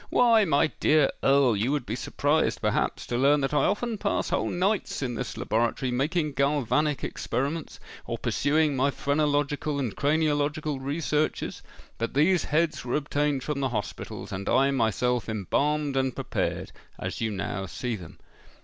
"Why, my dear Earl, you would be surprised, perhaps, to learn that I often pass whole nights in this laboratory, making galvanic experiments, or pursuing my phrenological and craniological researches. But these heads were obtained from the hospitals, and I myself embalmed and prepared, as you now see them."